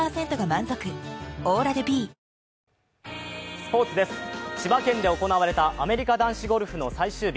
スポーツです、千葉県で行われたアメリカ男子ゴルフの最終日。